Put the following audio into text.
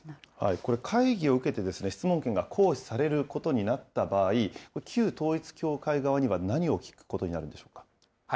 これ、会議を受けて、質問権が行使されることになった場合、旧統一教会側には何を聞くことになるんでしょうか。